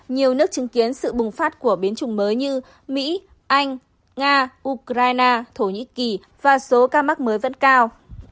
nhiều nước chứng kiến sự bùng phát của biến chủng mới như mỹ anh nga ukraine thổ nhĩ kỳ và số ca mắc mới vẫn cao